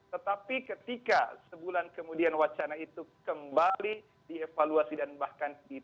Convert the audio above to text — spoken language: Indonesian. tetapi ketika sebulan kemudian wacana itu kembali dievaluasi dan bahkan diberikan